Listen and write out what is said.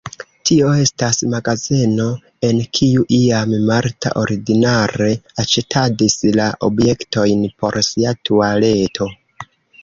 Tio estis magazeno, en kiu iam Marta ordinare aĉetadis la objektojn por sia tualeto.